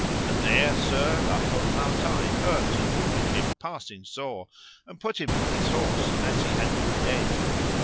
And there Sir La Cote Male Taile hurt and wounded him passing sore, and put him from his horse as he had been dead.